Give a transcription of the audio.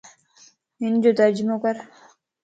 ھن جو ترجمو ڪر